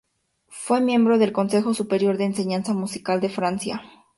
Fue miembro del Consejo Superior de Enseñanza Musical de Francia.